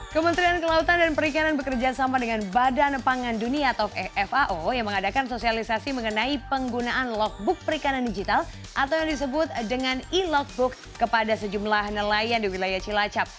kementerian kelautan dan perikanan bekerja sama dengan badan pangan dunia atau fao yang mengadakan sosialisasi mengenai penggunaan logbook perikanan digital atau yang disebut dengan e logbook kepada sejumlah nelayan di wilayah cilacap